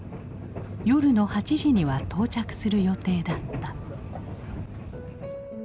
夜の８時には到着する予定だった。